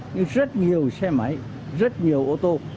nhưng rất nhiều xe máy rất nhiều ô tô